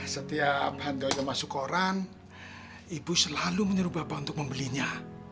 setiap handoyo masuk koran ibu selalu menyuruh bapak untuk membelinya